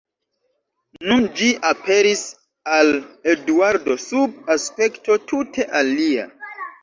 Nun ĝi aperis al Eduardo sub aspekto tute alia.